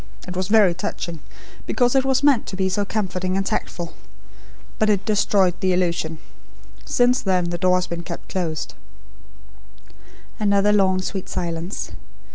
It was very touching, because it was meant to be so comforting and tactful. But it destroyed the illusion! Since then the door has been kept closed." Another long sweet silence.